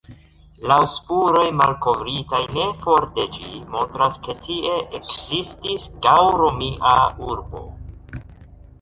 Laŭ spuroj malkovritaj ne for de ĝi montras ke tie ekzistis gaŭl-romia urbo.